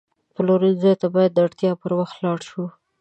پلورنځي ته باید د اړتیا پر وخت لاړ شو.